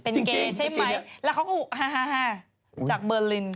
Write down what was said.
เป็นเกย์ใช่ไหมแล้วเขาก็ฮาจากเบอร์ลิน